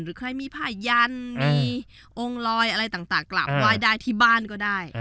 หรือใครมีผ้ายันมีองค์ลอยอะไรต่างกลับไหว้ได้ที่บ้านก็ได้